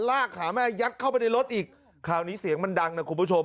ลากขาแม่ยัดเข้าไปในรถอีกคราวนี้เสียงมันดังนะคุณผู้ชม